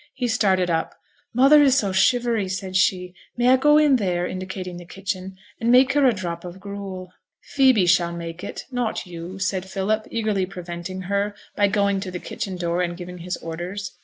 He started up. 'Mother is so shivery,' said she. 'May I go in there,' indicating the kitchen, 'and make her a drop of gruel?' 'Phoebe shall make it, not you,' said Philip, eagerly preventing her, by going to the kitchen door and giving his orders.